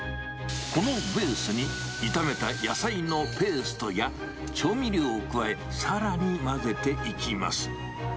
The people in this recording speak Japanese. このベースに炒めた野菜のペーストや調味料を加え、さらに混ぜていきます。